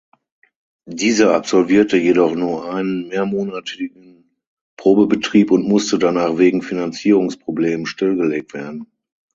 Dieser absolvierte jedoch nur einen mehrmonatigen Probebetrieb und musste danach wegen Finanzierungsproblemen stillgelegt werden.